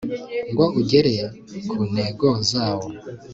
ngo ugere ku ntego zawo